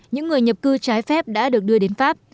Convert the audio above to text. những người nhập cư trái phép đã được đưa đến pháp